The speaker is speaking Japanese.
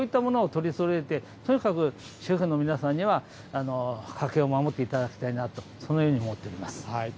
そういったものを取りそろえて、とにかく主婦の皆さんには家計を守っていただきたいなと、そのよ